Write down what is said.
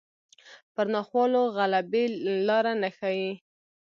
پر ناخوالو غلبې لاره نه ښيي